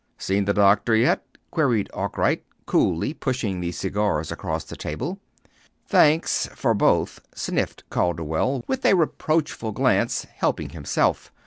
"Seen the doctor yet?" queried Arkwright, coolly, pushing the cigars across the table. "Thanks for both," sniffed Calderwell, with a reproachful glance, helping himself.